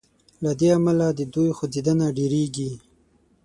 له دې امله د دوی خوځیدنه ډیریږي.